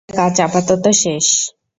এটার কাজ আপাতত শেষ।